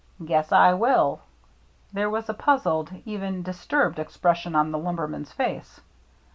" Guess I will." There was a puzzled, even disturbed expression on the lumberman's face.